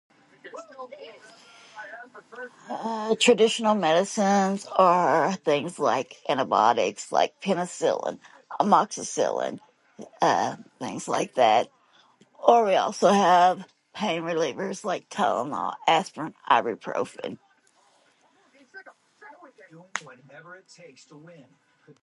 Uuhhh, traditional medicines are things, like, antibiotics, like Penecillin, Amoxicillin— uhh, things like that...Or we also have pain relievers like Tylenol, Aspirin, Ibuprofen.